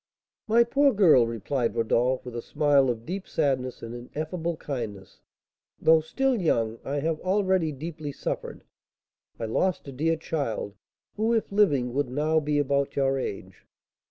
"My poor girl," replied Rodolph, with a smile of deep sadness and ineffable kindness, "though still young, I have already deeply suffered. I lost a dear child, who, if living, would now be about your age.